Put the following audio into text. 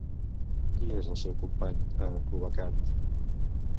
Qui és el seu company a Cubacant?